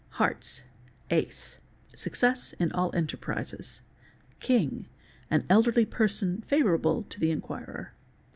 » Hearts.—Ace—success in all enterprises. Aing—an elderly person i avourable to the inquirer.